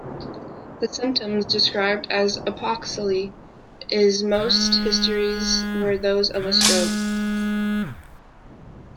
The symptoms, described as apoplexy in most histories, were those of a stroke.